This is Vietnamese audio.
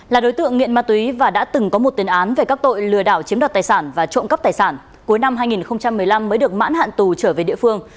là đối tượng nghiện ma túy và đã từng có một tiền án về các tội lừa đảo chiếm đoạt tài sản và trộm cắp tài sản cuối năm hai nghìn một mươi năm mới được mãn hạn tù trở về địa phương